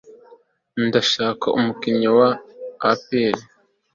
ndashaka umukinnyi wa apr